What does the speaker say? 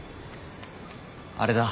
あれだ。